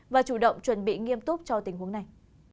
và chủ động chuẩn bị nghiêm túc cho tình huống này